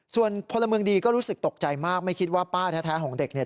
ส่วนพลเมืองดีก็รู้สึกตกใจมากไม่คิดว่าป้าแท้ของเด็กเนี่ย